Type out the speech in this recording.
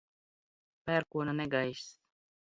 Pērkona negaiss.